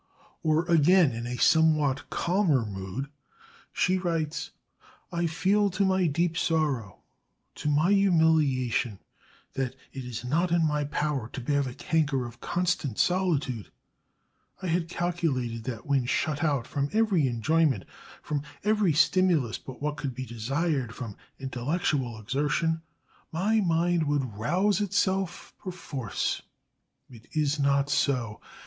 Or again, in a somewhat calmer mood, she writes: "I feel to my deep sorrow, to my humiliation, that it is not in my power to bear the canker of constant solitude. I had calculated that when shut out from every enjoyment, from every stimulus but what could be desired from intellectual exertion, my mind would rouse itself perforce. It is not so.